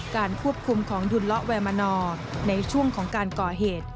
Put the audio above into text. ควบคุมของดุลละแวมนอร์ในช่วงของการก่อเหตุ